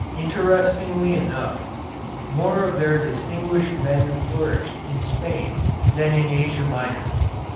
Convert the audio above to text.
Interestingly enough, more of their distinguished men flourished in Spain than in Asia Minor.